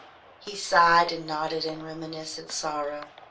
He sighed and nodded in reminiscent sorrow.